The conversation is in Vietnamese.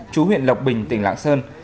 chú huyện lộc bình tỉnh lãng sơn